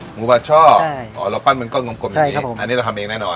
หมูปลาช่อเราปั้นเป็นก้อนกลมอย่างนี้อันนี้เราทำเองแน่นอน